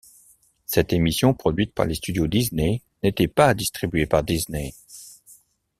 Cette émission produite par les studios Disney, n'était pas distribuée par Disney.